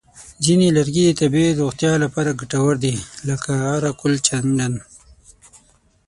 ځینې لرګي د طبیعي روغتیا لپاره ګټور دي، لکه عرقالچندڼ.